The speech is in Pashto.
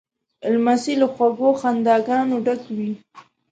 لمسی له خوږو خنداګانو ډک وي.